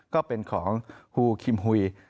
ก็เป็นของฮูคิมฮุย